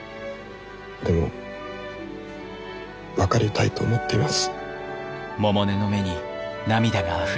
でも分かりたいと思っています。